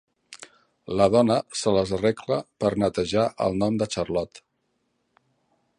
La dona se les arregla per netejar el nom de Charlot.